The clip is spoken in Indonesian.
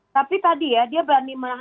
tapi tadi ya dia berani menang